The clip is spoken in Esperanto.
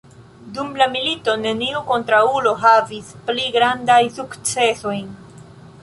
Dum la milito neniu kontraŭulo havis pli grandaj sukcesojn.